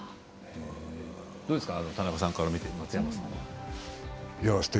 どうですか田中さんから見て松山さんは。